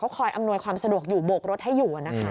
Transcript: คอยอำนวยความสะดวกอยู่โบกรถให้อยู่นะคะ